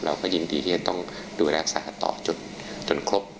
เราก็ยินดีที่จะต้องดูแลรักษาต่อจนครบ